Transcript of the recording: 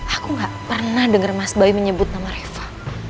aku gak pernah dengar mas bayu menyebut nama reva